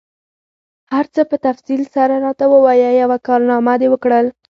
هر څه په تفصیل سره راته ووایه، یوه کارنامه دي وکړل؟